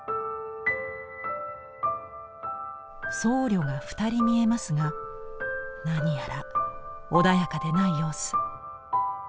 僧侶が２人見えますが何やら穏やかでない様子。